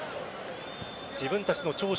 自分たちの長所